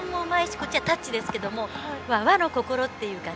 こっちはタッチですけど和の心というか。